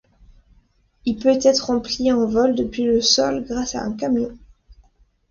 Il peut être rempli en vol depuis le sol grâce à un camion.